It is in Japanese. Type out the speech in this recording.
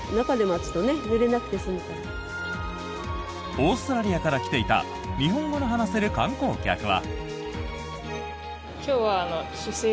オーストラリアから来ていた日本語の話せる観光客は。